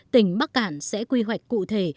tỉnh bắc cạn sẽ quy hoạch cụ thể